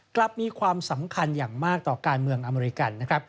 กลับมีความสำคัญอย่างมากต่อการเมืองอเมริกันนะครับ